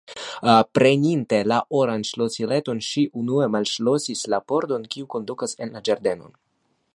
Preninte la oran ŝlosileton, ŝi unue malŝlosis la pordon kiu kondukas en la ĝardenon.